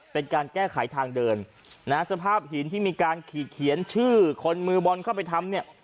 เป็นการแก้ไขทางเดินนะฮะสภาพหินที่มีการขีดเขียนชื่อคนมือบอลเข้าไปทำเนี่ย